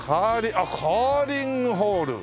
あっ「カーリングホール」。